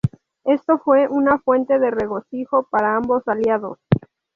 Esto fue una fuente de regocijo para ambos aliados.